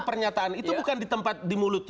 pernyataan itu bukan di tempat di mulut